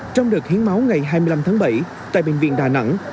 trong đợt hiến máu ngày hai mươi năm tháng bảy tại bệnh viện đà nẵng